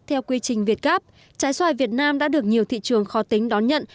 theo quy trình việt gáp trái xoài việt nam đã được nhiều thị trường khó tính đón nhận